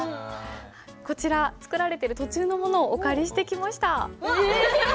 こちら作られてる途中のものをお借りしてきました。